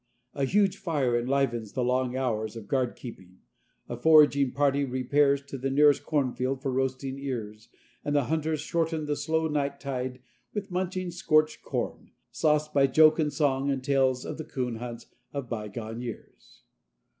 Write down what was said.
A huge fire enlivens the long hours of guard keeping. A foraging party repairs to the nearest cornfield for roasting ears, and the hunters shorten the slow nighttide with munching scorched corn, sauced by joke and song and tales of the coon hunts of bygone years.